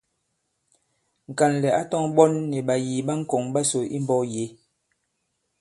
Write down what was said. Ŋ̀kànlɛ̀ ǎ tɔ̄ŋ ɓɔ̌n nì ɓàyìì ɓa ŋ̀kɔ̀ŋ ɓasò imbɔ̄k yě.